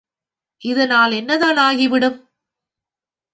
இதனால் என்னதான் ஆகிவிடும்?